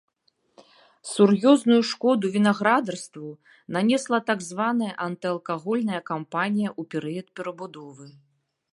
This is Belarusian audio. Сур'ёзную шкоду вінаградарству нанесла так званая антыалкагольная кампанія ў перыяд перабудовы.